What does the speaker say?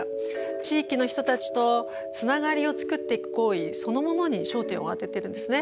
地域の人たちとつながりを作っていく行為そのものに焦点をあててるんですね。